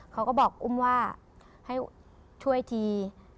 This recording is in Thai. เขาก็บอกอุ้มว่าให้ช่วยที